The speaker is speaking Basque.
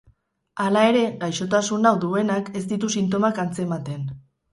Hala ere, gaixotasun hau duenak ez ditu sintomak antzematen.